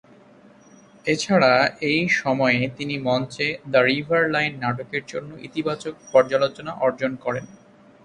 এছাড়া এই সময়ে তিনি মঞ্চে "দ্য রিভার লাইন" নাটকের জন্য ইতিবাচক পর্যালোচনা অর্জন করেন।